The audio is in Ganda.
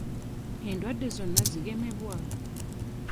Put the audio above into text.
Endwadde zonna zigemebwa?